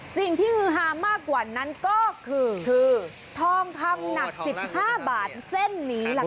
สิ่งที่ฮือฮามากกว่านั้นก็คือทองทำหนักสิบห้าบาทเส้นนี้แหละค่ะ